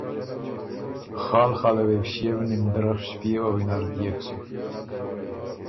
خال خاله وې بو ݭيېو نیم درۀ ݭپيېوه وینر دئېک سُک